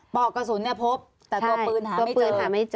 ปอกกระสุนเนี่ยพบแต่ตัวปืนหาไม่เจอ